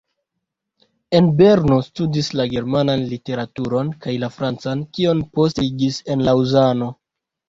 En Berno studis la germanan literaturon kaj la francan, kion poste daŭrigis en Laŭzano.